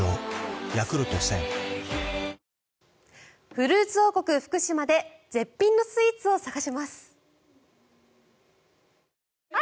フルーツ王国、福島で絶品のスイーツを探します。